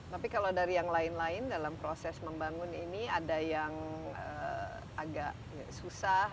tapi kalau dari yang lain lain dalam proses membangun ini ada yang agak susah